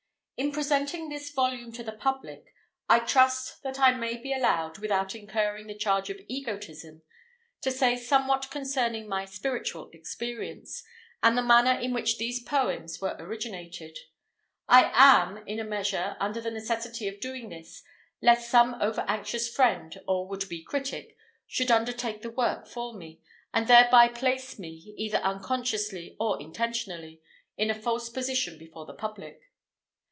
In presenting this volume to the public, I trust that I may be allowed, without incurring the charge of egotism, to say somewhat concerning my spiritual experience, and the manner in which these poems were originated. I am, in a measure, under the necessity of doing this, lest some over anxious friend, or would be critic, should undertake the work for me, and thereby place me, either unconsciously or intentionally, in a false position before the public.